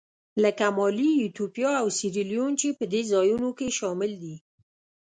لکه مالي، ایتوپیا او سیریلیون چې په دې ځایونو کې شامل دي.